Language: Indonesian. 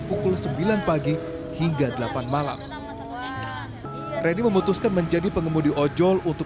pukul sembilan pagi hingga delapan malam reni memutuskan menjadi pengemudi ojol untuk